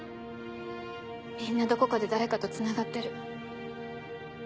みんなどこかで誰かとつながってる。